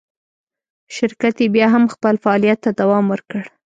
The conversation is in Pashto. شرکت یې بیا هم خپل فعالیت ته دوام ورکړ.